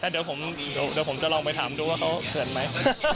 เดี๋ยวผมจะลองไปถามดูว่าเขาเขื่อนไหม